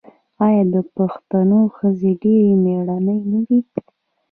آیا د پښتنو ښځې ډیرې میړنۍ نه دي؟